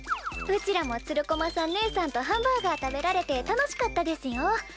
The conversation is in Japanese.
うちらもつる駒さん姉さんとハンバーガー食べられて楽しかったですよ。